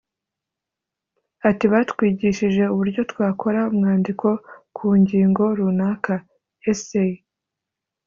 Ati “Batwigishije uburyo twakora umwandiko ku ngingo runaka (essai)